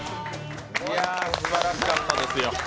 すばらしかったですよ